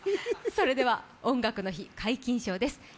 それでは、「音楽の日」皆勤賞です。